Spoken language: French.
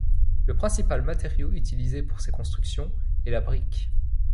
Le principal matériau utilisé pour ces constructions est la brique.